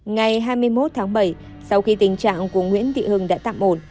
ngày hai mươi một tháng bảy sau khi tình trạng của nguyễn thị hưng đã tạm ổn